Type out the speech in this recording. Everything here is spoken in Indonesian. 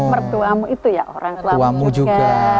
pertuamu itu ya orang tuamu juga